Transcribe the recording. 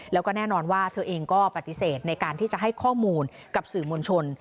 แล้วก็แน่นอนว่าเธอเองก็ปฏิเสธในการที่จะให้ข้อมูลกับสื่อมวลชน